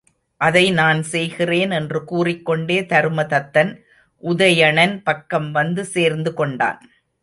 அதை நான் செய்கிறேன் என்று கூறிக்கொண்டே தருமதத்தன், உதயணன் பக்கம் வந்து சேர்ந்து கொண்டான்.